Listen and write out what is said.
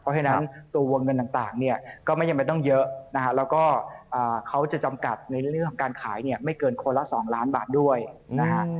เพราะฉะนั้นตัววงเงินต่างเนี่ยก็ไม่จำเป็นต้องเยอะนะฮะแล้วก็เขาจะจำกัดในเรื่องของการขายเนี่ยไม่เกินคนละ๒ล้านบาทด้วยนะฮะ